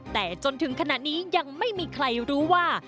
แต่จนถึงขณะนี้ยังไม่มีใครรู้ว่า